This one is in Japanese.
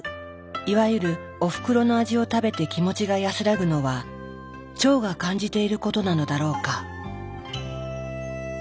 いわゆるおふくろの味を食べて気持ちが安らぐのは腸が感じていることなのだろうか。